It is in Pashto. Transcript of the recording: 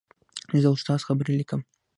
زه د استاد خبرې لیکم.